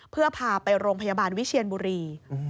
เพื่อพาไปโรงพยาบาลวิเชียนบุรี